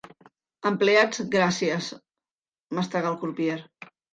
Empleats, gràcies! —mastega el crupier.